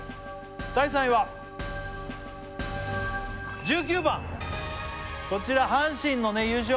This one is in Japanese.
第３位は１９番こちら阪神の優勝